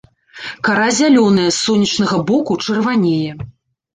Кара зялёная, с сонечнага боку чырванее.